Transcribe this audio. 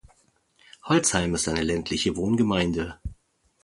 Holzheim ist eine ländliche Wohngemeinde.